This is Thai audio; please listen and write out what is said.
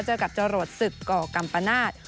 เจอกับจรวดศึกก่อกัมปนาศ